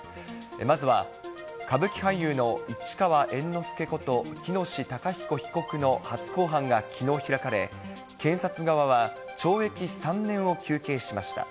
まずは、歌舞伎俳優の市川猿之助こと、喜熨斗孝彦被告の初公判がきのう開かれ、検察側は懲役３年を求刑しました。